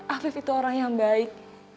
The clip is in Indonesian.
aktif itu orang yang baik